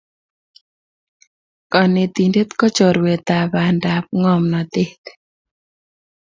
kanetindet ko chorwetap pandap ngomnotet